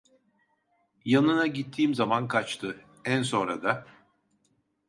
Yanına gittiğim zaman kaçtı, en sonra da: